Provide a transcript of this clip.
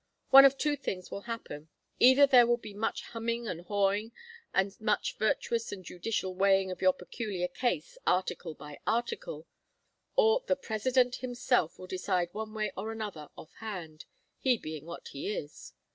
One of two things will happen. Either there will be much hemming and hawing, and much virtuous and judicial weighing of your peculiar case, article by article, or the President himself will decide one way or another off hand he being what he is.